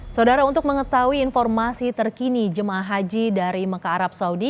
saudara untuk mengetahui informasi terkini jemaah haji dari mekah arab saudi